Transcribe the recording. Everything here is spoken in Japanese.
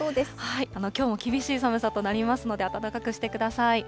きょうも厳しい寒さとなりますので、暖かくしてください。